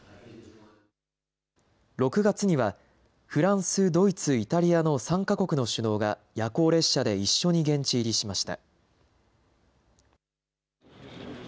６月にはフランス、ドイツ、イタリアの３か国の首脳が夜行列車で一緒に現地入りしました。